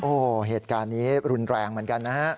โอ้โหเหตุการณ์นี้รุนแรงเหมือนกันนะฮะ